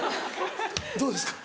どうですか？